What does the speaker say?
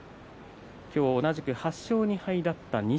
今日、同じく８勝２敗だった錦